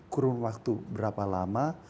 kurun waktu berapa lama